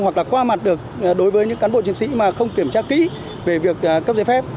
hoặc là qua mặt được đối với những cán bộ chiến sĩ mà không kiểm tra kỹ về việc cấp giấy phép